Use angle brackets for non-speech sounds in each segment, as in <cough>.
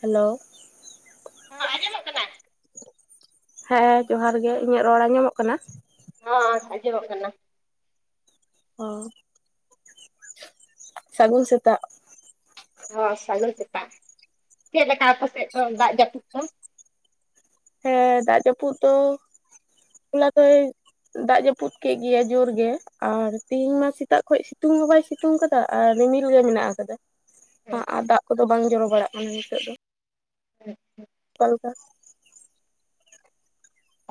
Hello <unintelligible> ᱟᱸᱡᱚᱢᱚᱜ ᱠᱟᱱᱟ ᱦᱮᱸ ᱡᱚᱦᱟᱨ ᱜᱮ ᱤᱧᱟᱹᱜ ᱨᱚᱲ ᱟᱸᱡᱚᱢᱚᱜ ᱠᱟᱱᱟ ᱦᱳᱭ ᱟᱸᱡᱚᱢᱚᱜ ᱠᱟᱱᱟ <unintelligible> ᱥᱟᱹᱜᱩᱱ ᱥᱮᱛᱟᱜ ᱦᱳᱭ ᱥᱟᱜᱩᱱ ᱥᱮᱛᱟᱜ <unintelligible> ᱪᱮᱫ ᱞᱮᱠᱟ ᱟᱯᱮ ᱥᱮᱫ ᱫᱚ ᱫᱟᱜ ᱡᱟᱹᱯᱩᱫ <unintelligible> ᱦᱮᱸ ᱫᱟᱜ ᱡᱟᱹᱯᱩᱫ ᱫᱚ <unintelligible> ᱦᱚᱞᱟ ᱫᱚᱭ ᱫᱟᱜ ᱡᱟᱹᱯᱩᱫ ᱠᱮᱫ ᱜᱮᱭᱟᱭ ᱡᱳᱨ ᱜᱮ ᱟᱨ ᱛᱤᱦᱤᱧ ᱢᱟ ᱥᱮᱛᱟᱜ ᱠᱷᱚᱭ ᱥᱤᱛᱩᱝ <unintelligible> ᱵᱟᱭ ᱥᱤᱛᱩᱝ ᱥᱤᱛᱩᱝ ᱠᱟᱫᱟ ᱟᱨ ᱨᱤᱢᱤᱞ ᱜᱮ ᱢᱮᱱᱟᱜ ᱟᱠᱟᱫᱟ ᱟᱨ ᱫᱟᱜ ᱠᱚᱫᱚ ᱵᱟᱝ ᱡᱚᱨᱚ ᱵᱟᱲᱟᱜ ᱠᱟᱱᱟ ᱱᱤᱛᱚᱜ ᱫᱚ ᱟᱪᱪᱷᱟ <unintelligible> ᱚᱠᱟ ᱞᱮᱠᱟ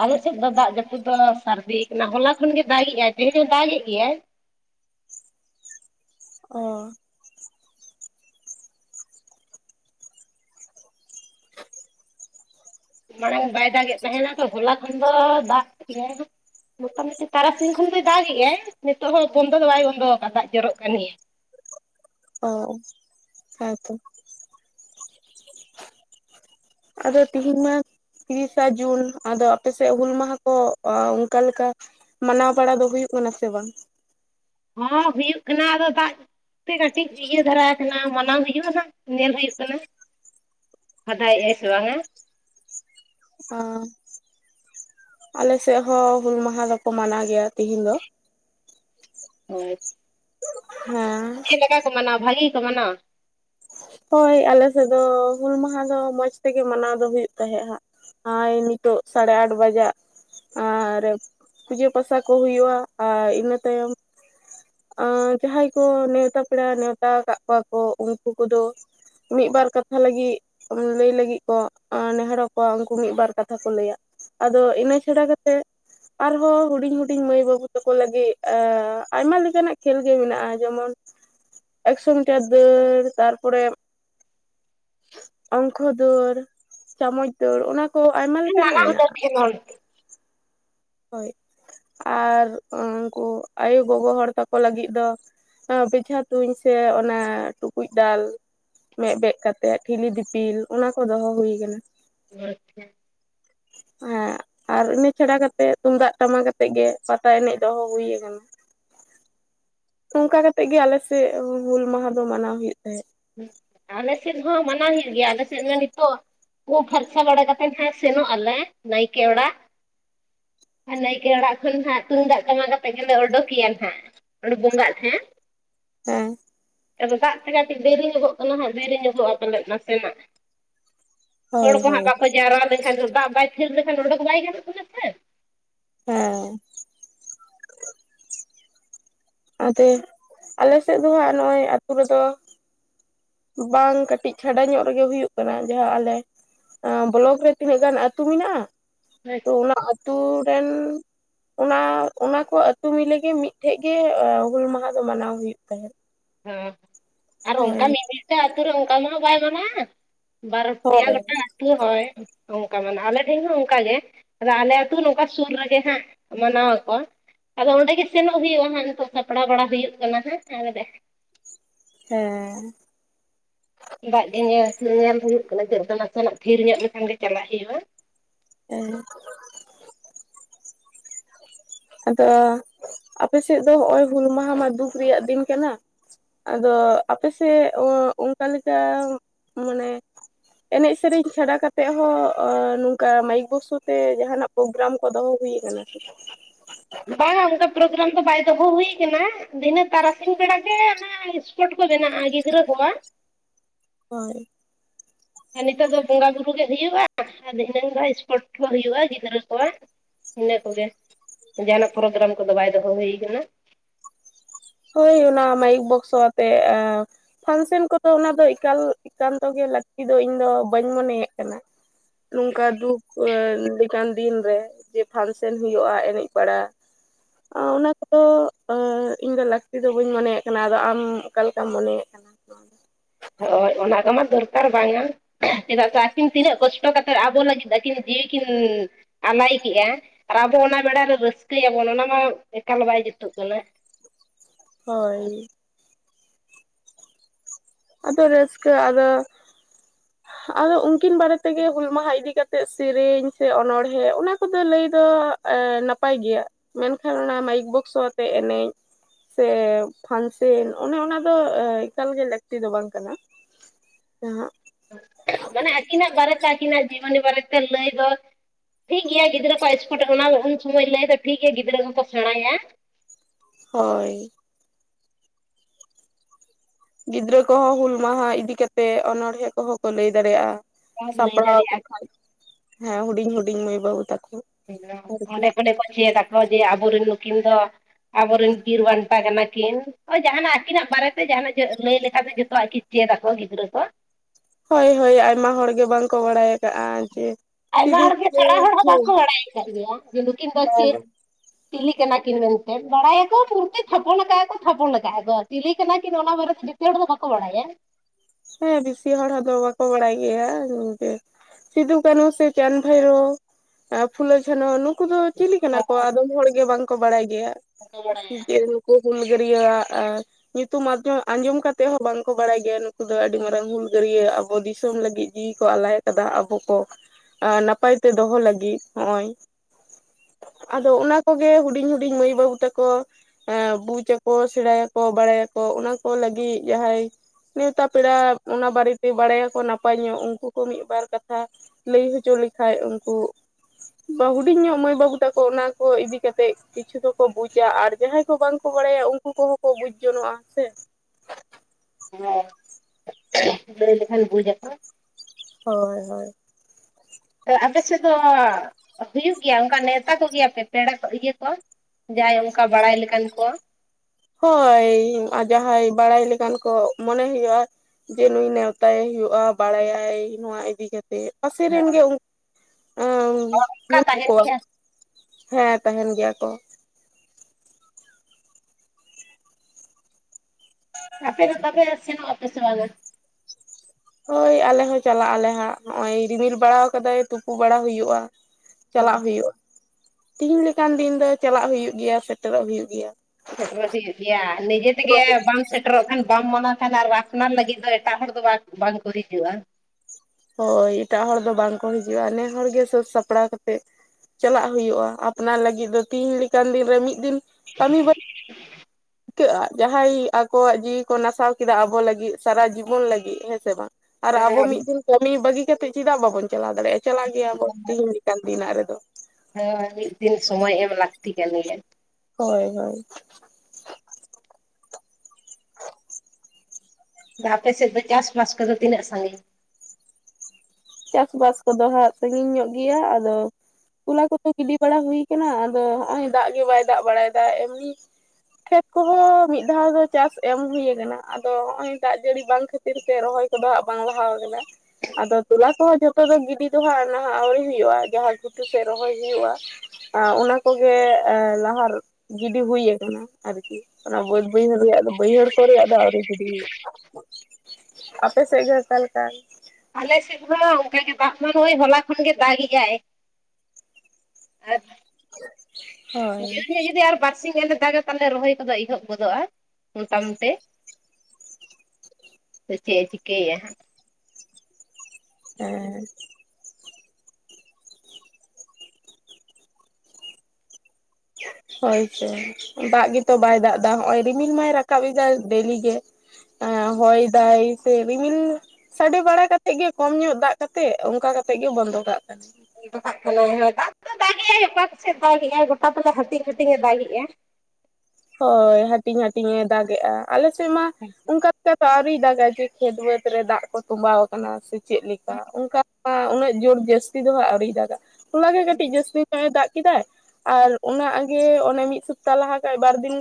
ᱟᱞᱮ ᱥᱮᱫ ᱫᱚ ᱫᱟᱜ ᱡᱟᱯᱩᱫ ᱫᱚ ᱥᱟᱨᱫᱤ ᱠᱟᱱᱟ, ᱦᱚᱞᱟ ᱠᱷᱚᱱ ᱜᱮ ᱫᱟᱜ ᱮᱫᱟᱭ ᱛᱮᱦᱚᱧ ᱦᱚ ᱫᱟᱜ ᱮᱫ ᱜᱮᱭᱟᱭ ᱚ ᱢᱟᱲᱟᱝ ᱵᱟᱭ ᱫᱟᱜ ᱮᱫ ᱛᱟᱦᱮᱱᱟ ᱛᱚ ᱦᱚᱞᱟ ᱠᱷᱚᱱ ᱫᱚ ᱫᱟᱜ <unintelligible> ᱢᱚᱴᱟᱢᱩᱴᱤ ᱛᱟᱨᱟᱥᱤᱧ ᱠᱷᱚᱱ ᱫᱚᱭ ᱫᱟᱜ ᱮᱭᱟᱭ ᱱᱤᱛᱚᱜ ᱦᱚᱸ ᱵᱚᱱᱫᱚ ᱫᱚ ᱵᱟᱭ ᱵᱚᱱᱫᱚ ᱟᱠᱟᱫ ᱫᱟᱜ ᱡᱚᱨᱚᱜ ᱠᱟᱱ ᱜᱮᱭᱟ ᱾ ᱚ <unintelligible> ᱦᱮᱸ ᱛᱚ <unintelligible> ᱟᱫᱚ ᱛᱮᱦᱮᱧ ᱢᱟ ᱛᱤᱨᱤᱥᱟ ᱡᱩᱱ ᱟᱫᱚ ᱟᱯᱮᱥᱮᱫ ᱦᱩᱞ ᱢᱟᱦᱟ ᱠᱚ ᱚᱱᱠᱟ ᱞᱮᱠᱟ ᱢᱟᱱᱟᱣ ᱵᱟᱲᱟᱣ ᱫᱚ ᱦᱩᱭᱩᱜ ᱠᱟᱱᱟ ᱥᱮ ᱵᱟᱝ? ᱦᱚᱸ ᱦᱩᱭᱩᱜ ᱠᱟᱱᱟ ᱟᱫᱚ ᱫᱟᱜ ᱛᱮ ᱠᱟᱹᱴᱤᱡ ᱤᱭᱟᱹ ᱫᱷᱟᱨᱟ ᱟᱠᱟᱱᱟ ᱢᱟᱱᱟᱣ ᱦᱩᱭᱩᱜᱼᱟ ᱱᱟᱦᱟᱜ ᱧᱮᱞ ᱦᱩᱭᱩᱜ ᱠᱟᱱᱟ ᱥᱟᱫᱟᱭ ᱮᱫᱟ ᱥᱮ ᱵᱟᱝ-ᱟ ᱦᱚᱸ <unintelligible> ᱟᱞᱮ ᱥᱮᱫ ᱦᱚᱸ ᱦᱩᱞ ᱢᱟᱦᱟ ᱫᱚᱠᱚ ᱢᱟᱱᱟᱣ ᱜᱮᱭᱟ ᱛᱤᱦᱤᱧ ᱫᱚ ᱦᱳᱭ ᱦᱮᱸ ᱪᱮᱜ ᱞᱮᱠᱟ ᱠᱚ ᱢᱟᱱᱟᱣᱟ ᱵᱷᱟᱹᱜᱤ ᱜᱮᱠᱚ ᱢᱟᱱᱟᱣᱟ ᱦᱳᱭ ᱟᱞᱮ ᱥᱮᱫ ᱫᱚ ᱦᱩᱞ ᱢᱟᱦᱟ ᱫᱚ ᱢᱚᱸᱡᱽ ᱛᱮᱜᱮ ᱢᱟᱱᱟᱣ ᱫᱚ ᱦᱩᱭᱩᱜ ᱛᱟᱦᱮᱸᱫ-ᱟ ᱦᱟᱸᱜ ᱦᱚᱭ ᱱᱤᱛᱩᱴᱚᱜ ᱥᱟᱲᱮ ᱟᱴ ᱵᱟᱡᱟᱜ ᱟᱨ ᱯᱩᱡᱟᱹ ᱯᱟᱥᱟ ᱠᱚ ᱦᱩᱭᱩᱜᱼᱟ ᱟᱨ ᱤᱱᱟᱹ ᱛᱟᱭᱚᱢ ᱡᱟᱦᱟᱸᱭ ᱠᱚ ᱱᱮᱣᱛᱟ ᱯᱮᱲᱟ ᱱᱮᱣᱟᱛᱟ ᱟᱠᱟᱫ ᱠᱚᱣᱟ ᱠᱚ ᱩᱱᱠᱩ ᱠᱚᱫᱚ ᱢᱤᱫᱵᱟᱨ ᱠᱟᱛᱷᱟ ᱞᱟᱹᱜᱤᱫ ᱞᱟᱹᱭ ᱞᱟᱹᱜᱤᱫ ᱠᱚ ᱱᱮᱦᱚᱨ ᱟᱠᱚᱣᱟ ᱩᱱᱠᱩ ᱢᱤᱫᱵᱟᱨ ᱠᱟᱛᱷᱟ ᱠᱚ ᱞᱟᱹᱭᱟ ᱟᱫᱚ ᱤᱱᱟᱹ ᱪᱷᱟᱰᱟ ᱠᱟᱛᱮᱫ ᱟᱨᱦᱚᱸ ᱦᱩᱰᱤᱧ ᱦᱩᱰᱤᱧ ᱢᱟᱹᱭ ᱵᱟᱹᱵᱩ ᱛᱟᱠᱚ ᱞᱟᱹᱜᱤᱫ ᱟᱭᱢᱟ ᱞᱮᱠᱟᱱᱟᱜ ᱠᱷᱮᱞ ᱜᱮ ᱢᱮᱱᱟᱜ-ᱟ ᱡᱮᱢᱚᱱ ᱮᱠᱥᱚ ᱢᱤᱴᱟᱨ ᱫᱟᱹᱲ ᱛᱟᱨᱯᱚᱨ ᱛᱟᱨᱯᱚᱨᱮ <unintelligible> ᱚᱝᱠᱚ ᱫᱟᱹᱲ <unintelligible> ᱪᱟᱢᱚᱪ ᱫᱟᱹᱲ ᱚᱱᱟ ᱠᱚ ᱟᱭᱢᱟ ᱞᱮᱠᱟᱱᱟᱜ ᱱᱟᱱᱟ ᱦᱩᱱᱟᱹᱨ ᱢᱮᱱᱟᱜ-ᱟ ᱴᱷᱮᱱ ᱦᱳᱭ <unintelligible> ᱟᱨ ᱩᱱᱠᱩ ᱟᱭᱳ ᱜᱚᱜᱚ ᱦᱚᱲ ᱛᱟᱠᱚ ᱞᱟᱹᱜᱤᱫ ᱫᱚ ᱵᱮᱡᱷᱟ ᱛᱩᱧ ᱥᱮ ᱚᱱᱟ ᱴᱩᱠᱩᱡ ᱫᱟᱞ ᱢᱮᱸᱫ ᱵᱮᱫ ᱠᱟᱛᱮᱜ ᱴᱷᱤᱞᱤ ᱫᱤᱯᱤᱞ ᱚᱱᱟ ᱠᱚ ᱫᱚᱦᱚ ᱦᱩᱭ ᱟᱠᱟᱱᱟ <unintelligible> ᱦᱮᱸ <unintelligible> ᱟᱨ ᱤᱱᱟᱹ ᱪᱷᱟᱲᱟ ᱠᱟᱛᱮᱫ ᱛᱩᱢᱫᱟᱜ ᱴᱟᱢᱟᱠ ᱠᱟᱛᱮᱜ ᱜᱮ ᱯᱟᱛᱟ ᱮᱱᱮᱡ ᱫᱚᱦᱚ ᱦᱩᱭᱩ ᱟᱠᱟᱱᱟ ᱱᱚᱝᱠᱟ ᱠᱟᱛᱮᱜ ᱜᱮ ᱟᱞᱮᱥᱮᱫ ᱦᱩᱞ ᱢᱟᱦᱟ ᱫᱚ ᱢᱟᱱᱟᱣ ᱦᱩᱭᱩᱜ ᱛᱟᱦᱮᱸᱫ <unintelligible> ᱟᱞᱮ ᱥᱮᱫ ᱦᱚᱸ ᱢᱟᱱᱟᱣ ᱦᱩᱭᱩᱜ ᱜᱮᱭᱟ ᱟᱞᱮ ᱥᱮᱫ ᱫᱚ ᱱᱤᱛᱚᱜ ᱩᱢ ᱯᱷᱟᱨᱪᱟ ᱵᱟᱲᱟ ᱠᱟᱛᱮᱫ ᱦᱟᱸᱜ ᱥᱮᱱᱚᱜ ᱟᱞᱮ ᱱᱟᱭᱠᱮ ᱚᱲᱟᱜ᱾ ᱟᱨ ᱱᱟᱭᱠᱮ ᱚᱲᱟᱜ ᱠᱷᱚᱱ ᱦᱟᱸᱜ ᱛᱩᱢᱫᱟᱜ ᱴᱟᱢᱟᱠ ᱟᱛᱮᱜ ᱜᱮᱞᱮ ᱚᱰᱚᱠᱮᱭᱟ ᱱᱟᱦᱟᱜ ᱚᱱᱟ ᱵᱚᱸᱜᱟᱜ ᱴᱷᱮᱱ ᱦᱮᱸ ᱟᱫᱚ ᱫᱟᱜ ᱛᱮᱜᱮ ᱠᱟᱹᱴᱤᱡ ᱫᱮᱨᱤᱧᱚᱜᱚᱜ ᱠᱟᱱᱟ ᱦᱟᱸᱜ ᱫᱮᱨᱤ ᱧᱚᱜᱚᱜᱼᱟ ᱯᱟᱞᱮᱫ ᱱᱟᱥᱮᱱᱟᱜ <unintelligible> ᱦᱚᱲ ᱦᱳᱭ ᱠᱚᱱᱦᱟᱸᱜ ᱦᱳᱭ ᱵᱟᱠᱚ ᱡᱟᱣᱨᱟ ᱞᱮᱱᱠᱷᱟᱱ ᱫᱟᱜ ᱵᱟᱭ ᱛᱷᱤᱨ ᱞᱮᱠᱷᱟᱱ ᱚᱸᱰᱚᱠ ᱵᱟᱭ ᱜᱟᱱᱚᱜ ᱠᱟᱱᱟ ᱥᱮ ᱦᱮᱸ ᱟᱫᱚ ᱟᱞᱮᱥᱮᱫ ᱫᱚ ᱦᱟᱸᱜ ᱱᱚᱜᱼᱚᱭ ᱟᱛᱩ ᱨᱮᱫᱚ ᱵᱟᱝ ᱠᱟᱹᱴᱤᱡ ᱪᱷᱟᱰᱟ ᱧᱚᱜ ᱨᱮᱜᱮ ᱦᱩᱭᱩᱜ ᱠᱟᱱᱟ ᱡᱟᱦᱟᱸ ᱟᱞᱮ ᱵᱞᱚᱠ ᱨᱮ ᱛᱤᱱᱟᱹᱜ ᱜᱟᱱ ᱟᱛᱩ ᱢᱮᱱᱟᱜ-ᱟ ᱦᱮᱸ <inaudible> ᱚᱱᱟ ᱟᱛᱩ ᱨᱮᱱ ᱚᱱᱟ ᱚᱱᱟᱠᱚ ᱟᱛᱩ ᱢᱤᱞᱮᱜᱮ ᱢᱤᱫᱴᱷᱮᱡ ᱜᱮ ᱦᱩᱞ ᱢᱟᱦᱟ ᱫᱚ ᱢᱟᱱᱟᱣ ᱦᱩᱭᱩᱜ ᱛᱟᱦᱮᱸᱫ ᱦᱮᱸ ᱟᱨ ᱚᱱᱠᱟ ᱦᱳᱭ ᱢᱤᱫᱢᱤᱫᱴᱟ ᱟᱛᱩ ᱨᱮ ᱚᱱᱠᱟ ᱢᱟ ᱵᱟᱭ ᱢᱟᱱᱟ-ᱟ ᱵᱟᱨ ᱯᱮᱭᱟ ᱦᱳᱭ ᱜᱚᱴᱟ ᱟᱛᱩ ᱦᱳᱭ ᱚᱱᱠᱟ ᱢᱟᱱᱮ ᱟᱞᱮ ᱴᱷᱮᱱ ᱦᱚᱸ ᱚᱱᱠᱟ ᱜᱮ ᱛᱚᱵᱮ ᱟᱞᱮ ᱟᱹᱛᱩ ᱱᱚᱝᱠᱟ ᱥᱩᱨ ᱨᱮᱜᱮ ᱦᱟᱸᱜ ᱢᱟᱱᱟᱣᱟᱠᱚ ᱟᱫᱚ ᱚᱸᱰᱮ ᱜᱮ ᱥᱮᱱᱚᱜ ᱦᱩᱭᱩᱜᱼᱟ ᱦᱟᱸᱜ ᱱᱤᱛᱚᱜ ᱥᱟᱯᱲᱟᱣ ᱵᱟᱲᱟ ᱦᱩᱭᱩᱜ ᱠᱟᱱᱟ ᱦᱟᱸᱜ ᱛᱟᱨᱵᱟᱫᱮ ᱦᱮᱸ ᱫᱟᱜ ᱜᱮ ᱧᱮᱞ, ᱧᱮᱞ ᱦᱩᱭᱩᱜ ᱠᱟᱱᱟ ᱪᱮᱫ ᱞᱮᱠᱟ ᱱᱟᱥᱮᱱᱟᱜ ᱛᱷᱤᱨ ᱧᱚᱜ ᱞᱮᱠᱷᱟᱱ ᱜᱮ ᱪᱟᱞᱟᱜ ᱦᱩᱭᱩᱜ-ᱟ ᱾ <inaudible> ᱟᱫᱚ ᱟᱯᱮᱥᱮᱫ ᱫᱚ ᱦᱚᱜ-ᱚᱭ ᱦᱩᱞ ᱢᱟᱦᱟ ᱢᱟ ᱫᱩᱠ ᱨᱮᱭᱟᱜ ᱫᱤᱱ ᱠᱟᱱᱟ ᱟᱫᱚ ᱟᱯᱮ ᱥᱮᱫ ᱳ ᱚᱱᱠᱟ ᱞᱮᱠᱟ ᱢᱟᱱᱮ ᱮᱱᱮᱡ ᱥᱮᱨᱮᱧ ᱪᱷᱟᱰᱟ ᱠᱟᱛᱮ ᱦᱚᱸ ᱱᱚᱝᱠᱟ ᱢᱟᱭᱤᱠ ᱵᱚᱥ ᱠᱚᱛᱮ ᱡᱟᱦᱟᱱᱟᱜ ᱯᱨᱳᱜᱨᱟᱢ ᱠᱚ ᱫᱚᱦᱚ ᱦᱩᱭ ᱠᱟᱱᱟ ᱵᱟᱝ ᱚᱱᱠᱟ ᱯᱨᱳᱜᱨᱟᱢ ᱫᱚ ᱵᱟᱭ ᱫᱚᱦᱚ ᱦᱩᱭᱩᱭ ᱟᱠᱟᱱᱟ ᱫᱤᱱᱟᱹᱜ ᱛᱟᱨᱟᱥᱤᱧ ᱵᱮᱲᱟ ᱜᱮ ᱚᱱᱟ ᱪᱮᱫ ᱠᱚ ᱵᱮᱱᱟᱜ-ᱟ ᱜᱤᱫᱽᱨᱟᱹ ᱠᱚᱣᱟᱜ ᱦᱳᱭ ᱟᱨ ᱱᱤᱛᱚᱜ ᱫᱚ ᱵᱚᱸᱜᱟ ᱵᱩᱨᱩ ᱜᱮ ᱦᱩᱭᱩᱜ-ᱟ ᱟᱨ ᱫᱷᱤᱱᱟᱹᱝ ᱫᱚ ᱥᱯᱴ ᱦᱚᱸ ᱦᱩᱭᱩᱜ-ᱟ ᱜᱤᱫᱽᱨᱟᱹ ᱠᱚᱣᱟᱜ ᱤᱱᱟᱹ ᱠᱚᱜᱮ ᱡᱟᱦᱟᱱᱟᱜ ᱯᱨᱳᱜᱨᱟᱢ ᱠᱚᱫᱚ ᱵᱟᱭ ᱫᱚᱦᱚ ᱦᱩᱭ ᱠᱟᱱᱟ ᱦᱳᱭ ᱚᱱᱟ ᱢᱟᱭᱤᱠ ᱵᱚᱠᱥᱚ ᱟᱛᱮ ᱟᱸ ᱯᱷᱟᱱᱥᱮᱱ ᱠᱚᱫᱚ ᱚᱱᱟ ᱫᱚ ᱮᱠᱟᱞ ᱮᱠᱟᱱᱛᱚ ᱜᱮ ᱞᱟᱹᱠᱛᱤ ᱫᱚ ᱤᱧ ᱫᱚ ᱵᱟᱹᱧ ᱢᱚᱱᱮᱭᱮᱫ ᱠᱟᱱᱟ ᱱᱚᱝᱠᱟ ᱫᱩᱠ ᱞᱮᱠᱟᱱ ᱫᱤᱱᱨᱮ ᱡᱮ ᱯᱷᱟᱱᱥᱮᱱ ᱦᱩᱭᱩᱜ-ᱟ ᱮᱱᱮᱡ ᱵᱟᱲᱟ ᱚᱱᱟ ᱠᱚᱫᱚ ᱤᱧ ᱤᱧ ᱫᱚ ᱞᱟᱹᱠ ᱡᱟᱹᱥᱛᱤ ᱫᱚ ᱵᱟᱹᱧ ᱢᱚᱱᱮᱭᱮᱫ ᱠᱟᱱᱟ ᱟᱫᱚ ᱟᱢ ᱚᱠᱟ ᱞᱮᱠᱟᱢ ᱢᱚᱱᱮᱫ ᱠᱟᱱᱟ ᱾ ᱦᱳᱭ ᱚᱱᱟ ᱠᱚᱢᱟ ᱫᱚᱨᱠᱟᱨ ᱵᱟᱝᱟ ᱾ ᱪᱮᱫᱟᱜ ᱥᱮ ᱟᱹᱠᱤᱱ ᱛᱤᱱᱟᱹᱜ ᱠᱚᱥᱴᱚ ᱠᱟᱛᱮᱫ ᱟᱵᱚ ᱞᱟᱹᱜᱤᱫ ᱟᱹᱠᱤᱱ ᱡᱤᱣᱤ ᱠᱤᱱ ᱟᱞᱟᱭ ᱠᱮᱜ-ᱟ ᱟᱨ ᱟᱵᱚ ᱚᱱᱟ ᱵᱮᱲᱟᱨᱮ ᱨᱟᱹᱥᱠᱟᱹᱭᱟᱵᱚᱱ ᱚᱱᱟ ᱢᱟ ᱮᱠᱟᱞ ᱵᱟᱭ ᱡᱩᱛᱩᱜ ᱠᱟᱱᱟ ᱦᱳᱭ ᱟᱫᱚ ᱨᱟᱹᱥᱠᱟᱹ ᱟᱫᱚ <inaudible> ᱟᱫᱚ ᱩᱱᱠᱤᱱ ᱵᱟᱨᱮ ᱛᱮᱜᱮ ᱦᱩᱞ ᱢᱟᱦᱟ ᱤᱫᱤ ᱠᱟᱛᱮᱜ ᱥᱮᱨᱮᱧ ᱥᱮ ᱚᱱᱚᱲᱦᱮ ᱚᱱᱟ ᱠᱚᱫᱚ ᱞᱟᱹᱭ ᱫᱚ ᱱᱟᱯᱟᱭ ᱜᱮᱭᱟ ᱢᱮᱱᱠᱷᱟᱱ ᱚᱱᱟ ᱢᱟᱭᱤᱠ ᱵᱚᱠᱥᱚ ᱟᱛᱮ ᱮᱱᱮᱡ ᱥᱮ ᱯᱷᱟᱱᱥᱮᱱ ᱚᱱᱮ ᱚᱱᱟ ᱫᱚ ᱮᱠᱟᱞ ᱜᱮ ᱞᱟᱹᱠᱛᱤ ᱫᱚ ᱵᱟᱝ ᱠᱟᱱᱟ ᱢᱟᱱᱮ ᱟᱹᱠᱤᱱᱟᱜ ᱵᱟᱨᱮᱛᱮ ᱟᱹᱠᱤᱱᱟᱜ ᱡᱤᱵᱚᱱᱤ ᱵᱟᱨᱮᱛᱮ ᱞᱟᱹᱭ ᱫᱚ ᱴᱷᱤᱠ ᱜᱮᱭᱟ ᱜᱤᱫᱽᱨᱟᱹ ᱠᱚ ᱥᱠᱯᱟᱴ ᱚᱱᱟ ᱩᱱ ᱥᱚᱢᱚᱭ ᱞᱟᱹᱭᱫᱚ ᱴᱷᱤᱠ ᱜᱮᱭᱟ ᱜᱤᱫᱽᱨᱟᱹ ᱠᱚᱠᱚ ᱥᱮᱬᱟᱭᱟ ᱦᱳᱭ ᱜᱤᱫᱽᱨᱟᱹ ᱠᱚᱦᱚᱸ ᱦᱩᱞ ᱢᱟᱦᱟ ᱤᱫᱤ ᱠᱟᱛᱮᱫ ᱚᱱᱚᱲ ᱦᱮᱸ ᱠᱚᱦᱚᱸ ᱠᱚ ᱞᱟᱹᱭ ᱫᱟᱲᱤᱭᱟᱜᱼᱟ ᱾ ᱞᱟᱹᱭ ᱥᱟᱯᱲᱟᱣᱠᱚ ᱫᱟᱲᱮᱭᱟᱜᱼᱟ ᱠᱷᱟᱱᱡ ᱦᱮᱸ ᱦᱩᱰᱤᱧ ᱦᱩᱰᱤᱧ ᱢᱟᱹᱭ ᱵᱟᱹᱵᱩ ᱛᱟᱠᱚ ᱾ ᱚᱸᱰᱮ ᱠᱷᱚᱱ ᱠᱚ ᱪᱷ <inaudible> ᱫᱟᱠᱚ ᱡᱮ ᱟᱵᱚᱨᱮᱱ ᱱᱩᱠᱤᱱ ᱫᱚ ᱟᱵᱚᱨᱮᱱ ᱵᱤᱨᱵᱟᱱᱴᱟᱜ ᱠᱟᱱᱟ ᱠᱟᱱᱟ ᱠᱤᱱ ᱦᱳᱭ ᱡᱟᱦᱟᱱᱟᱜ ᱟᱹᱠᱤᱱᱟᱜ ᱵᱟᱨᱮᱛᱮ ᱡᱟᱦᱱᱟᱜ ᱞᱟᱹᱭ ᱞᱮᱠᱷᱟᱡ ᱡᱚᱛᱚᱣᱟᱜ ᱠᱤᱱ ᱪᱮᱫ ᱟᱠᱚ ᱜᱤᱫᱽᱨᱟᱹ ᱠᱚ ᱦᱳᱭ ᱦᱳᱭ ᱟᱭᱢᱟ ᱦᱚᱲ ᱜᱮ ᱵᱟᱝ ᱠᱚ ᱵᱟᱲᱟᱭᱟ ᱾ ᱟᱭᱢᱟ ᱦᱚᱲᱜᱮ ᱥᱮᱬᱟ ᱦᱚᱲ ᱦᱚᱸ ᱵᱟᱠᱚ ᱵᱟᱲᱟᱭ ᱟᱠᱟᱫ ᱜᱮᱭᱟ ᱡᱮ ᱫᱚ ᱠᱤᱱ ᱫᱚ ᱪᱮᱫ ᱪᱤᱞᱤ ᱠᱟᱱᱟ ᱠᱤᱱ ᱢᱮᱱᱛᱮ ᱵᱟᱲᱟᱭᱟᱠᱚ ᱢᱩᱨᱛᱤ ᱛᱷᱟᱯᱚᱱ ᱠᱟᱫᱼᱟ ᱠᱚ ᱛᱷᱟᱯᱚᱱ ᱟᱠᱟᱼᱟ ᱠᱚ ᱪᱤᱞᱤ ᱠᱟᱱᱟ ᱠᱤᱱ ᱚᱱᱟ ᱵᱟᱨᱮ ᱪᱮᱫ ᱦᱚᱸ ᱵᱟᱠᱚ ᱵᱟᱲᱟᱟᱭᱟ ᱾ ᱦᱮᱸ ᱵᱮᱥᱤ ᱦᱚᱲ ᱦᱚᱸᱫᱚ ᱵᱟᱠᱚ ᱵᱟᱲᱟᱭ ᱜᱮᱭᱟ <unintelligible> ᱥᱤᱫᱩ ᱠᱟᱹᱱᱩ ᱥᱮ ᱪᱟᱸᱫᱽ ᱵᱷᱟᱭᱨᱳ ᱯᱷᱩᱞᱳ ᱪᱷᱟᱱᱚ ᱱᱩᱠᱩ ᱩᱱᱠᱩ ᱫᱚ ᱪᱤᱞᱤ ᱠᱟᱱᱟ ᱠᱚ ᱵᱟᱠᱚ ᱟᱫᱚᱢ ᱦᱚᱲ ᱜᱮ ᱵᱟᱝᱠᱚ ᱵᱟᱲᱟᱭ ᱜᱮᱭᱟ ᱵᱟᱲᱟᱭᱟ ᱡᱮ ᱱᱩᱠᱩ ᱦᱩᱞᱜᱟᱹᱨᱭᱟᱹ ᱟᱨ ᱧᱩᱛᱩᱢ ᱟᱸᱡᱚᱢ ᱠᱟᱛᱮᱛ ᱦᱚᱸ ᱵᱟᱝᱠᱚ ᱵᱟᱲᱟᱭ ᱜᱮᱭᱟ ᱩᱱᱠᱩ ᱫᱚ ᱟᱹᱰᱤ ᱢᱟᱨᱟᱝ ᱦᱩᱞᱜᱟᱹᱨᱭᱟᱹ ᱟᱵᱚ ᱫᱤᱥᱚᱢ ᱞᱟᱹᱜᱤᱫ ᱡᱤᱣᱤ ᱠᱚ ᱟᱞᱟᱭ ᱟᱠᱟᱫᱟ ᱟᱵᱚ ᱠᱚ ᱱᱟᱯᱟᱭ ᱛᱮ ᱫᱚᱦᱚ ᱞᱟᱹᱜᱤᱫ ᱦᱚᱜ ᱱᱚ-ᱚᱭ ᱟᱫᱚ ᱚᱱᱟᱠᱚᱜᱮ ᱦᱩᱰᱤᱧ ᱦᱩᱰᱤᱧ ᱢᱟᱹᱭ ᱵᱟᱹᱵᱩ ᱛᱮᱠᱚ ᱦᱩᱸ ᱵᱩᱡ ᱟᱠᱚ ᱥᱮᱬᱟᱭᱟᱠᱚ ᱵᱟᱲᱟᱭᱟᱠᱚ ᱚᱱᱟ ᱠᱚ ᱞᱟᱹᱜᱤᱫ ᱡᱟᱦᱟᱸᱭ ᱱᱮᱣᱛᱟ ᱯᱮᱲᱟ ᱚᱱᱟ ᱵᱟᱨᱮᱛᱮ ᱵᱟᱲᱟᱭᱟᱠᱚ ᱱᱟᱯᱟᱭ ᱧᱚᱜ ᱩᱱᱠᱩ ᱠᱚ ᱢᱤᱫᱵᱟᱨ ᱠᱟᱛᱷᱟ ᱞᱟᱹᱭ ᱦᱚᱪᱚ ᱞᱮᱠᱷᱟᱡ ᱩᱱᱠᱩ ᱵᱟ ᱦᱩᱰᱤᱧ ᱧᱚᱜ ᱢᱟᱹᱭ ᱵᱟᱹᱵᱩ ᱛᱟᱠᱚ ᱚᱱᱟ ᱠᱚ ᱤᱫᱤ ᱠᱟᱛᱮᱜ ᱠᱤᱪᱷᱩ ᱫᱚᱠᱚ ᱵᱩᱡᱟ ᱟᱨ ᱡᱟᱦᱟᱸᱭ ᱠᱚ ᱵᱟᱝ ᱵᱟᱠᱚ ᱵᱟᱲᱟᱭᱟ ᱩᱱᱠᱩ ᱠᱚᱦᱚᱸ ᱠᱚ ᱵᱩᱡᱽ ᱡᱚᱱᱚᱜᱼᱟ ᱥᱮ ᱦᱮ ᱞᱟᱹᱭ ᱞᱮᱠᱷᱟᱱ ᱵᱩᱡ ᱟᱠᱚ ᱦᱳᱭ ᱦᱳᱭ ᱟᱯᱮ ᱥᱮᱫ ᱫᱚ ᱦᱩᱭᱩᱜ ᱜᱮᱭᱟ ᱚᱱᱠᱟ ᱱᱮᱣᱛᱟ ᱠᱚᱜᱮᱭᱟᱯᱮ ᱯᱮᱲᱟ ᱠᱚ ᱤᱭᱟᱹ ᱠᱚ ᱡᱟᱦᱟᱸᱭ ᱚᱱᱠᱟ ᱵᱟᱲᱟᱭ ᱞᱮᱠᱟᱱ ᱠᱚ ᱦᱳᱭ ᱟᱨ ᱡᱟᱦᱟᱸᱭ ᱵᱟᱲᱟᱭ ᱞᱮᱠᱟᱱ ᱠᱚ ᱢᱚᱱᱮ ᱦᱩᱭᱩᱜᱼᱟ ᱡᱮ ᱱᱩᱭ ᱱᱮᱣᱛᱟᱭ ᱦᱩᱭᱩᱜᱼᱟ ᱵᱟᱲᱟᱭᱟᱭ ᱱᱚᱣᱟ ᱤᱫᱤᱠᱟ ᱠᱟᱛᱮᱜ ᱯᱟᱥᱮᱨᱮ ᱨᱮᱱ ᱦᱮᱸ ᱜᱮ ᱚᱱᱠᱟ ᱢᱮᱱᱟᱜ ᱛᱟᱦᱮᱱ ᱠᱚᱣᱟ ᱜᱮᱭᱟ ᱦᱮᱸ ᱛᱟᱦᱮᱱ ᱜᱮᱭᱟ ᱠᱚ ᱟᱯᱮ ᱫᱚ ᱛᱚᱵᱮ ᱥᱮᱱᱚᱜ ᱟᱯᱮᱥᱮ ᱵᱟᱝᱟ ᱦᱳᱭ ᱟᱞᱮ ᱦᱚᱸ ᱪᱟᱞᱟᱜ ᱟᱞᱮ ᱦᱟᱸᱜ ᱱᱚᱜ ᱚᱭ ᱨᱤᱢᱤᱞ ᱵᱟᱲᱟ ᱟᱠᱟᱫᱟᱭ ᱛᱩᱯᱩ ᱵᱟᱲᱟ ᱦᱩᱭᱩᱜᱼᱟ ᱪᱟᱞᱟᱜ ᱦᱩᱭᱩᱜᱼᱟ ᱛᱤᱦᱤᱧ ᱞᱮᱠᱟᱱ ᱫᱤᱱ ᱫᱚ ᱪᱟᱞᱟᱜ ᱦᱩᱭᱩᱜ ᱜᱮᱭᱟ ᱥᱮᱴᱮᱨᱚᱜ ᱦᱩᱭᱩᱜ ᱜᱮᱭᱟ ᱥᱮᱴᱮᱨ ᱦᱩᱭᱩᱜ ᱜᱮᱭᱟ ᱱᱤᱡᱮ ᱛᱮᱜᱮ ᱦᱳᱭ ᱵᱟᱝ ᱥᱮᱴᱮᱨᱚᱜ ᱠᱷᱟᱱ ᱵᱟᱢ ᱢᱟᱱᱟ ᱠᱷᱟᱱ ᱟᱨ ᱟᱯᱱᱟᱨ ᱞᱟᱹᱜᱤᱫ ᱫᱚ ᱮᱴᱟᱜ ᱦᱚᱲ ᱫᱚ ᱵᱟᱝᱠᱚ ᱦᱤᱡᱩᱜᱼᱟ ᱦᱳᱭ ᱮᱴᱟᱜ ᱦᱚᱲ ᱫᱚ ᱵᱟᱝ ᱠᱚ ᱦᱤᱡᱩᱜᱼᱟ ᱱᱚᱱᱮ ᱦᱚᱲᱜᱮ ᱥᱟᱹᱛ ᱥᱟᱯᱲᱟᱣ ᱠᱟᱛᱮ ᱪᱟᱞᱟᱜ ᱦᱩᱭᱩᱜᱼᱟ ᱟᱯᱱᱟᱨ ᱞᱟᱹᱜᱤᱫ ᱫᱚ ᱛᱤᱦᱤᱧ ᱞᱮᱠᱟᱱ ᱫᱤᱱᱨᱮ ᱢᱤᱫ ᱫᱤᱱ ᱠᱟᱹᱢᱤ ᱵᱟᱝ ᱟᱹᱠᱟᱹᱜᱼᱟ ᱡᱟᱦᱟᱸᱭ ᱟᱠᱚᱣᱟᱜ ᱡᱤᱣᱤ ᱠᱚ ᱱᱟᱥᱟᱣ ᱠᱮᱫᱟ ᱟᱵᱚ ᱞᱟᱹᱜᱤᱫ ᱥᱟᱨᱟ ᱡᱤᱵᱚᱱ ᱞᱟᱹᱜᱤᱫ ᱦᱮᱸᱥᱮ ᱵᱟᱝ ᱟᱨ ᱛᱚᱵᱮ ᱟᱵᱚ ᱫᱚ ᱢᱤᱫ ᱫᱤᱱ ᱠᱟᱹᱢᱤ ᱵᱟᱹᱜᱤ ᱠᱟᱛᱮ ᱪᱮᱫᱟᱜ ᱵᱟᱵᱚᱱ ᱪᱟᱞᱟᱣ ᱫᱟᱲᱮᱭᱟᱜᱼᱟ ᱪᱟᱞᱟᱜ ᱜᱮᱭᱟ ᱵᱚᱱ ᱛᱮᱦᱤᱧ ᱞᱮᱠᱟᱱ ᱫᱤᱱᱟᱜ ᱨᱮᱫᱚ ᱦᱮᱸ ᱢᱤᱫ ᱫᱤᱱ ᱥᱚᱢᱚᱭ ᱮᱢ ᱞᱟᱹᱠᱛᱤ ᱠᱟᱱ ᱜᱮᱭᱟ ᱦᱳᱭ ᱦᱳᱭ ᱟᱨ ᱟᱯᱮ ᱥᱮᱫ ᱫᱚ ᱪᱟᱥᱵᱟᱥ ᱠᱚᱫᱚ ᱛᱤᱱᱟᱹᱜ ᱥᱟᱺᱜᱤᱧ ᱪᱟᱥᱵᱟᱥ ᱠᱚᱫᱚ ᱦᱟᱸᱜ ᱥᱟᱺᱜᱤᱧ ᱧᱚᱜ ᱜᱮᱭᱟ ᱟᱫᱚ ᱛᱚᱞᱟ ᱠᱚᱫᱚ ᱜᱤᱰᱤ ᱵᱟᱲᱟ ᱦᱩᱭ ᱠᱟᱱᱟ ᱟᱫᱚ <unintelligible> ᱫᱟᱜ ᱜᱮ ᱵᱟᱭ ᱫᱟᱜ ᱵᱟᱲᱟᱭᱮᱫᱟ ᱮᱢᱱᱤ ᱠᱷᱮᱛ ᱠᱚᱦᱚᱸ ᱢᱤᱫ ᱫᱷᱟᱣ ᱫᱚ ᱪᱟᱥ ᱮᱢ ᱦᱩᱭᱩ ᱠᱟᱱᱟ ᱟᱫᱚ ᱱᱚᱜ ᱚᱭ ᱫᱟᱜ ᱡᱟᱹᱲᱤ ᱵᱟᱝ ᱠᱷᱟᱹ ᱠᱷᱟᱹᱛᱤᱨ ᱛᱮ ᱨᱚᱦᱚᱭ ᱠᱚᱫᱚ ᱦᱟᱸᱜ ᱵᱟᱝ ᱞᱟᱦᱟᱣ ᱠᱟᱱᱟ ᱟᱫᱚ ᱛᱚᱞᱟ ᱠᱚᱦᱚᱸ ᱡᱚᱛᱚ ᱫᱚ ᱜᱤᱰᱤ ᱫᱚ ᱦᱟᱸ ᱱᱟᱦᱟᱜ ᱟᱹᱣᱨᱤ ᱦᱩᱭᱩᱜᱼᱟ ᱡᱟᱦᱟᱸ ᱜᱷᱩᱴᱩ ᱥᱮᱫ ᱨᱚᱦᱚᱭ ᱦᱩᱭᱩᱜᱼᱟ ᱚᱱᱟ ᱠᱚᱜᱮ ᱞᱟᱦᱟᱨ ᱜᱤᱰᱤ ᱦᱩᱭ ᱠᱟᱱᱟ ᱟᱨᱠᱤ ᱚᱱᱟ ᱵᱟᱹᱫᱽ ᱵᱟᱹᱭᱦᱟᱹᱲ ᱨᱮᱭᱟᱜ ᱫᱚ ᱵᱟᱹᱭᱦᱟᱹᱲ ᱠᱚᱨᱮ ᱭᱟᱜ ᱫᱚ ᱟᱹᱣᱨᱤ ᱜᱤᱰᱤ ᱦᱩᱭᱩᱜ ᱼᱟ ᱟᱯᱮ ᱥᱮᱫ ᱜᱮ ᱚᱠᱟ ᱞᱮᱠᱟ ᱟᱞᱮ ᱥᱮᱫ ᱦᱚᱸ ᱚᱱᱠᱟᱜᱮ ᱫᱟᱜ ᱢᱟ ᱱᱚᱜᱼᱚᱭ ᱦᱚᱞᱟ ᱠᱷᱚᱱᱜᱮ ᱫᱟᱜᱮᱜᱟᱭ <unintelligible> ᱦᱳᱭ ᱡᱩᱨ ᱜᱮ ᱡᱩᱫᱤ ᱟᱨ ᱵᱟᱨ <unintelligible> ᱥᱤᱧ ᱧᱤᱫᱟᱹ ᱫᱟᱜᱟ ᱛᱟᱞᱮ ᱨᱚᱦᱚᱭ ᱠᱚᱫᱚ ᱮᱦᱚᱵ ᱜᱚᱫᱚᱜᱼᱟ ᱢᱚᱴᱟᱢᱩᱴᱤ ᱥᱮ ᱪᱮ ᱪᱤᱠᱭᱟ ᱦᱟᱜ <unintelligible> ᱦᱳᱭ ᱛᱚ ᱫᱟᱜ ᱜᱮᱛᱚ ᱵᱟᱭ ᱫᱟᱜ ᱫᱟ ᱦᱚᱜᱼᱚᱭ ᱨᱤᱢᱤᱞ ᱢᱟᱭ ᱨᱟᱠᱟᱵ ᱫᱟ ᱰᱮᱞᱤᱜᱮ ᱦᱮᱸ ᱦᱚᱭ ᱫᱟᱭ ᱥᱮ ᱨᱤᱢᱤᱞ ᱥᱟᱰᱮ ᱵᱟᱲᱟ ᱠᱟᱛᱮᱫ ᱜᱮ ᱠᱚᱢ ᱧᱚᱜ ᱫᱟᱜ ᱠᱟᱛᱮᱫ ᱚᱱᱠᱟ ᱠᱟᱛᱮᱫ ᱜᱮ ᱵᱚᱱᱫᱚ ᱠᱟᱜ ᱠᱟᱱᱟ ᱫᱟᱜ ᱠᱟᱱᱟ ᱫᱟᱜ ᱫᱚ ᱫᱟᱜ ᱟᱭ ᱚᱠᱟ ᱠᱚᱥᱮᱫ ᱫᱟᱜ ᱜᱟᱭ ᱜᱚᱴᱟ ᱛᱚᱞᱮ ᱦᱟᱹᱴᱤᱧ ᱦᱟᱹᱴᱤᱧᱮ ᱫᱟᱜᱮᱜᱼᱟ ᱦᱳᱭ ᱦᱟᱹᱴᱤᱧ ᱦᱟᱹᱴᱤᱧᱮ ᱫᱟᱜ ᱮᱼᱟ ᱟᱞᱮᱥᱮᱫ ᱢᱟ ᱴᱷᱤᱠ ᱜᱮ <unintelligible> ᱟᱹᱣᱨᱤ ᱫᱟᱜᱟᱭ ᱡᱮ ᱠᱷᱮᱛ ᱵᱟᱹᱫᱽ ᱨᱮ ᱫᱟᱜ ᱠᱚ ᱛᱚᱸᱵᱟᱣ ᱟᱠᱟᱱᱟ ᱥᱮ ᱪᱮᱫ ᱞᱮᱠᱟ ᱚᱱᱠᱟ ᱩᱱᱟᱹᱜ ᱡᱳᱨ ᱡᱟᱹᱥᱛᱤ ᱫᱚ ᱦᱟᱸᱜ ᱟᱹᱣᱨᱤ ᱫᱟᱜᱟ ᱚᱱᱟ ᱜᱮ ᱠᱟᱹᱴᱤᱡ ᱡᱟᱹᱥᱛᱤ ᱫᱚ ᱫᱟᱜ ᱠᱮᱫᱟᱭ ᱟᱨ ᱚᱱᱟ ᱟᱜᱮ ᱚᱱᱮ ᱢᱤᱫ ᱥᱚᱯᱛᱟ ᱞᱟᱦᱟ ᱠᱷᱟᱡ ᱵᱟᱨ ᱫᱤᱱ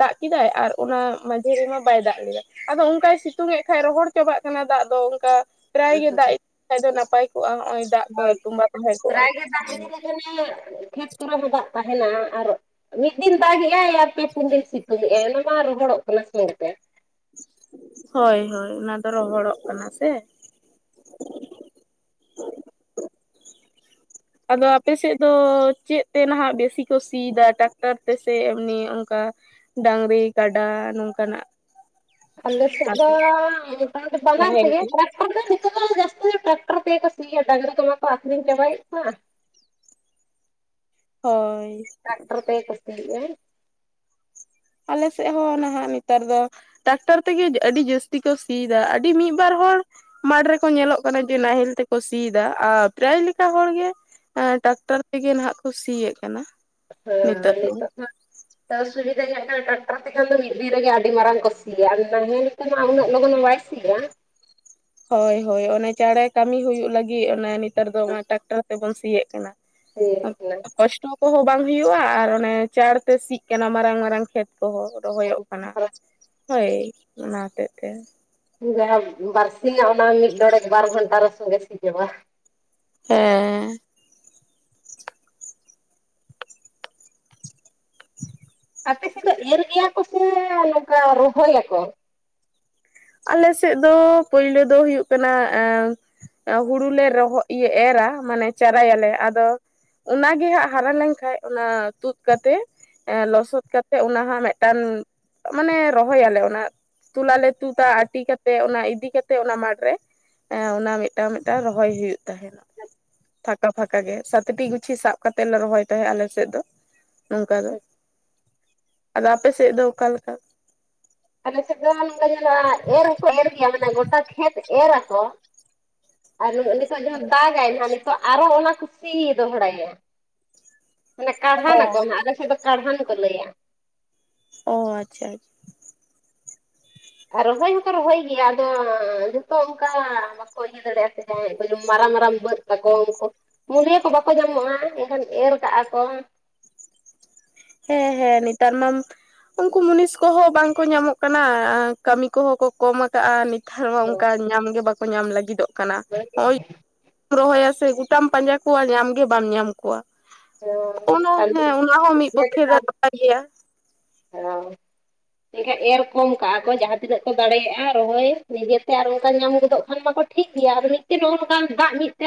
ᱫᱟᱜ ᱠᱮᱫᱟᱭ ᱟᱨ ᱚᱱᱟ ᱢᱟᱡᱷᱮ ᱨᱮᱢᱟ ᱵᱟᱭ ᱫᱟᱜ ᱞᱮᱫᱟ ᱟᱫᱚ ᱚᱱᱠᱟᱭ ᱥᱤᱛᱩᱝ ᱮ ᱠᱷᱟᱡ ᱨᱚᱦᱚᱲ ᱪᱟᱵᱟᱜ ᱠᱟᱱᱟ ᱫᱟᱜ ᱫᱚ ᱚᱱᱠᱟ ᱯᱨᱟᱭ ᱜᱮ ᱫᱟᱜ ᱤᱫᱤ ᱞᱮ ᱠᱷᱟᱱ ᱫᱚ ᱱᱟᱯᱟᱭ ᱠᱚᱜᱼᱟ᱾ ᱱᱚᱜᱼᱚᱭ ᱫᱟᱜ ᱠᱚ ᱛᱚᱢᱵᱟ ᱛᱟᱦᱮᱸ ᱠᱚᱜᱼᱟ ᱟᱱᱮ ᱠᱷᱮᱛ ᱠᱚᱨᱮ ᱦᱚᱸ ᱫᱟᱜ ᱛᱟᱦᱮᱱᱟ᱾ ᱟᱨ ᱢᱤᱫ ᱫᱤᱱ ᱫᱟᱜ ᱮ ᱟᱭ ᱟᱨ ᱯᱮ ᱯᱩᱱ ᱫᱤᱱ ᱥᱤᱛᱩᱝᱮᱜᱼ ᱟᱭ ᱚᱱᱟ ᱢᱟ ᱨᱚᱦᱚᱲᱚᱜ ᱠᱟᱱᱟ ᱥᱮᱸ ᱦᱳᱭ ᱦᱳᱭ ᱚᱱᱟ ᱫᱚ ᱨᱚᱦᱚᱲᱚᱜ ᱠᱟᱱᱟ ᱥᱮ ᱟᱫᱚ ᱟᱯᱮ ᱥᱮᱫ ᱫᱚ ᱪᱮᱫ ᱛᱮ ᱱᱟᱦᱟᱜ ᱵᱮᱥᱤ ᱠᱚ ᱥᱤᱭ ᱫᱟ, ᱴᱟᱠᱴᱟᱨ ᱛᱮ ᱥᱮ ᱮᱢᱱᱤ ᱚᱱᱠᱟ ᱰᱟᱝᱨᱤ ᱠᱟᱰᱟ ᱱᱚᱝᱠᱟᱱᱟᱜ ᱟᱞᱮᱥ ᱫᱚ ᱵᱟᱱᱟᱨ ᱛᱮ ᱜᱮ ᱴᱮᱠᱴᱟᱨ ᱫᱟ ᱫᱤᱠᱩ ᱡᱟᱹᱥᱛᱤ ᱴᱮᱠᱴᱟᱨ ᱛᱮᱜᱮ ᱠᱚ ᱥᱤᱭᱟ ᱰᱟᱹᱝᱨᱤ ᱡᱚᱢᱟ ᱠᱚ ᱟᱠᱷᱨᱤᱧ ᱪᱟᱵᱟᱭᱮᱜ ᱠᱚᱣᱟ᱾ ᱦᱳᱭ ᱴᱮᱠᱴᱟᱨ ᱛᱮᱜᱮ ᱠᱚ ᱥᱤᱭᱟ ᱟᱞᱮ ᱥᱮᱫ ᱦᱚᱸ ᱱᱟᱦᱟᱜ ᱱᱮᱛᱟᱨ ᱫᱚ ᱴᱨᱟᱠᱴᱟᱨ ᱛᱮᱜᱮ ᱟᱹᱰᱤ ᱡᱟᱹᱥᱛᱤ ᱠᱚ ᱥᱤᱭᱟ ᱫᱟ᱾ ᱟᱹᱰᱤ ᱢᱤᱫᱵᱟᱨ ᱦᱚᱲ ᱢᱟᱴᱷ ᱨᱮᱠᱚ ᱧᱮᱞᱚᱜ ᱠᱟᱱᱟ ᱡᱮ ᱱᱟᱦᱮᱞ ᱛᱮᱠᱚ ᱥᱤᱭᱟ ᱫᱟ ᱟᱨ ᱯᱨᱟᱭ ᱞᱮᱠᱟ ᱦᱚᱲ ᱜᱮ ᱴᱟᱠᱴᱟᱨ ᱛᱮᱜᱮ ᱱᱟᱦᱟᱜ ᱠᱚ ᱥᱤᱭᱮᱫ ᱠᱟᱱᱟ᱾ ᱱᱤᱛᱚᱜ ᱫᱚ <unintelligible> ᱛᱚ ᱥᱩᱵᱤᱫᱟ ᱱᱚᱜ ᱱᱟ ᱴᱟᱠᱴᱟᱨ ᱛᱮ ᱠᱷᱟᱱ ᱫᱚ ᱢᱤᱫ ᱫᱤᱱ ᱨᱮᱜᱮ ᱟᱹᱰᱤ ᱢᱟᱨᱟᱝ ᱠᱚᱥᱤᱭᱟ᱾ ᱟᱫᱚ ᱱᱟᱦᱮᱞ ᱱᱟᱦᱮᱞ ᱢᱟ ᱩᱱᱟᱹᱜ ᱞᱚᱜᱚᱱ ᱵᱟᱭ ᱥᱤᱭᱟ ᱦᱳᱭ ᱦᱳᱭ ᱚᱱᱮ ᱪᱟᱲᱮ ᱠᱟᱹᱢᱤ ᱦᱳᱭᱳᱜ ᱞᱟᱹᱜᱤᱫ ᱚᱱᱮ ᱱᱮᱛᱟᱨ ᱫᱚ ᱴᱟᱠᱴᱟᱨ ᱛᱮᱵᱚᱱ ᱥᱤᱭᱮᱫ ᱠᱟᱱᱟ᱾ <unintelligible> ᱴᱚ ᱠᱚᱦᱚᱸ ᱵᱟᱝ ᱦᱩᱭᱩᱜᱼᱟ ᱟᱨ ᱚᱱᱮ ᱪᱟᱲ ᱛᱮ ᱥᱤᱜ ᱠᱟᱱᱟ ᱢᱟᱨᱟᱝ ᱢᱟᱨᱟᱝ ᱠᱷᱮᱛ ᱠᱚᱦᱚᱸ ᱨᱚᱦᱚᱭᱚᱜ ᱠᱟᱱᱟ᱾ ᱦᱳᱭ ᱚᱱᱟ ᱦᱚᱛᱮᱫ ᱛᱮ ᱡᱟᱦᱟᱸ ᱵᱟᱨᱥᱤᱭᱟ ᱚᱱᱟ ᱢᱤᱫ ᱰᱚᱲᱮᱠ ᱵᱟᱨ ᱜᱷᱚᱱᱴᱟ ᱨᱮ <unintelligible> ᱦᱮᱸ ᱟᱯᱮ ᱥᱮᱫ ᱫᱚ ᱮᱨ ᱜᱮᱭᱟ ᱠᱚ ᱥᱮ ᱱᱚᱝᱠᱟ ᱨᱚᱦᱚᱭ ᱟᱠᱚ ᱟᱞᱮ ᱥᱮᱫ ᱫᱚ ᱯᱳᱭᱞᱳ ᱫᱚ ᱦᱩᱭᱩᱜ ᱠᱟᱱᱟ ᱦᱩᱲᱩ ᱞᱮ ᱨᱚᱦᱟ ᱮᱨᱟ ᱢᱟᱱᱮ ᱪᱟᱨᱟᱭᱟᱞᱮ ᱟᱫᱚ ᱚᱱᱟᱜᱮ ᱦᱟᱸᱜ ᱦᱟᱨᱟ ᱞᱮᱱᱠᱷᱟᱡ ᱚᱱᱟ ᱛᱩᱫ ᱠᱟᱛᱮᱜ ᱞᱚᱥᱚᱫ ᱠᱟᱛᱮᱜ ᱚᱱᱟ ᱦᱟᱸᱜ ᱢᱤᱫᱴᱟᱝ ᱢᱟᱱᱮ ᱨᱚᱦᱚᱭᱟᱞᱮ ᱚᱱᱟ ᱛᱩᱞᱟᱞᱮ ᱛᱩᱫᱟ ᱟᱹᱴᱤ ᱠᱟᱛᱮᱜ ᱚᱱᱟ ᱤᱫᱤ ᱠᱟᱛᱮᱜ ᱚᱱᱟ ᱢᱟᱴᱷ ᱨᱮ ᱚᱱᱟ ᱢᱤᱫᱴᱟᱝ ᱢᱤᱫᱴᱟᱝ ᱨᱚᱦᱚᱭ ᱦᱩᱭᱩᱜ ᱛᱟᱦᱮᱱᱟ ᱯᱷᱟᱸᱠᱟ ᱯᱷᱟᱸᱠᱟ ᱜᱮ ᱥᱟᱛᱴᱤ ᱜᱩᱪᱷᱤ ᱥᱟᱵ ᱠᱟᱛᱮ ᱞᱮ ᱨᱚᱦᱚᱭ ᱛᱟᱦᱮᱸᱫ ᱟᱞᱮᱥᱮᱫ ᱫᱚ ᱱᱚᱝᱠᱟ ᱫᱚ ᱟᱫᱚ ᱟᱯᱮ ᱥᱮᱫ ᱫᱚ ᱚᱠᱟ ᱞᱮᱠᱟ? ᱟᱞᱮ ᱥᱮᱫ ᱫᱚ ᱱᱚᱝᱠᱟ ᱡᱮᱱᱚ ᱮᱨ ᱦᱚᱸᱠᱚ ᱮᱨ ᱜᱮᱭᱟ ᱢᱟᱱᱮ ᱜᱚᱴᱟ ᱠᱷᱮᱛ ᱮᱨ ᱟᱠᱚ <inaudible> ᱟᱨ ᱱᱤᱛᱚᱜ ᱡᱮᱢᱚᱱ ᱫᱟᱜᱟᱭ ᱱᱟᱦᱟᱜ ᱱᱤᱛᱚᱜ ᱟᱨᱚ ᱚᱱᱟ ᱠᱚ ᱥᱤ ᱫᱚᱦᱲᱟᱭᱟ ᱢᱟᱱᱮ ᱚ ᱠᱟᱲᱦᱟᱱᱟᱠᱚ ᱦᱟᱸᱜ ᱟᱞᱮ ᱥᱮᱫ ᱫᱚ ᱠᱟᱲᱦᱟᱱ ᱠᱚ ᱞᱟᱹᱭᱟ ᱚ ᱟᱪᱪᱷᱟ ᱨᱚᱦᱚᱭ ᱦᱚᱠᱚ ᱨᱚᱦᱚᱭ ᱜᱮᱭᱟ ᱟᱫᱚ ᱡᱚᱛᱚ ᱚᱱᱠᱟ ᱵᱟᱠᱚ ᱤᱭᱟᱹ ᱫᱟᱲᱮᱭᱟᱜᱼᱟ ᱥᱮ ᱢᱟᱨᱟᱝ ᱢᱟᱨᱟᱝ ᱵᱟᱹᱫᱽ ᱛᱟᱠᱚ ᱩᱱᱠᱩ <unintelligible> ᱠᱚ ᱵᱟᱠᱚ ᱧᱟᱢᱚᱜᱼᱟ ᱮᱱᱠᱷᱟᱱ ᱮᱨ ᱠᱟᱜᱟ ᱠᱚ ᱦᱮᱸ ᱦᱮᱸ ᱱᱮᱛᱟᱨ ᱢᱟᱢ ᱩᱱᱠᱩ ᱢᱩᱱᱤᱥ ᱠᱚᱦᱚᱸ ᱵᱟᱝᱠᱚ ᱧᱟᱢᱚᱜ ᱠᱟᱱᱟ᱾ ᱠᱟᱹᱢᱤ ᱠᱚᱦᱚᱸ ᱠᱚ ᱠᱚᱢ ᱟᱠᱟᱜᱼᱟ ᱱᱤᱛ ᱚᱱᱠᱟ ᱧᱟᱢ ᱜᱮ ᱵᱟᱠᱚ ᱧᱟᱢ ᱞᱟᱹᱜᱤᱫᱚᱜ ᱠᱟᱱᱟ᱾ ᱦᱚᱜᱼᱚᱭ ᱨᱚᱦᱚᱭᱟ ᱥᱮ ᱜᱚᱴᱟᱢ ᱯᱟᱸᱡᱟ ᱠᱚᱣᱟ ᱧᱟᱢ ᱜᱮ ᱵᱟᱢ ᱧᱟᱢ ᱠᱚᱣᱟ᱾ ᱚᱱᱟ ᱦᱮᱸ ᱚᱱᱟ ᱦᱚᱸ ᱢᱤᱫ ᱯᱚᱠᱠᱷᱮ ᱫᱚ ᱱᱟᱯᱟᱭ ᱜᱮᱭᱟ᱾ ᱦᱮᱸ ᱛᱤᱱᱟᱹᱜ ᱮᱨ ᱠᱚᱢ ᱠᱟᱜᱼᱟ ᱠᱚ ᱡᱟᱦᱟᱸ ᱛᱤᱱᱟᱹᱜ ᱠᱚ ᱫᱟᱲᱮᱭᱟᱜᱼᱟ ᱨᱚᱦᱚᱭ ᱱᱤᱡᱮ ᱛᱮ ᱟᱨ ᱚᱱᱠᱟ ᱧᱟᱢ ᱜᱚᱫᱚᱜ ᱠᱷᱟᱱ ᱢᱟᱠᱚ ᱴᱷᱤᱠ ᱜᱮᱭᱟ ᱟᱫᱚ ᱢᱤᱫᱴᱟᱝ ᱱᱚᱜ ᱱᱚᱝᱠᱟ ᱫᱟᱜ ᱢᱤᱫ ᱛᱮ